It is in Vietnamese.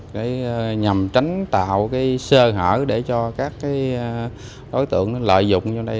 để nhằm tránh tạo cái sơ hở để cho các cái đối tượng lợi dụng vào đây